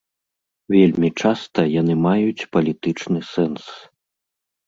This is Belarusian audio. Вельмі часта яны маюць палітычны сэнс.